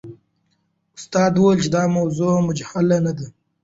استاد وویل چې دا موضوع مجهوله نه ده.